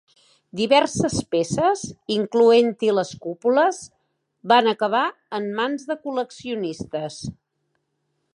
Diverses peces, incloent-hi les cúpules, van acabar en mans de col·leccionistes.